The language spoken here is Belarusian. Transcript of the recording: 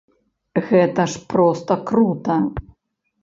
Гэта ж проста крута!